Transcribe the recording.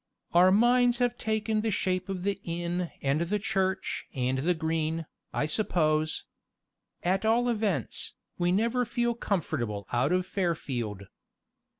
Our minds have taken the shape of the inn and the church and the green, I suppose. At all events, we never feel comfortable out of Fairfield.